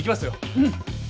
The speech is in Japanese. うん。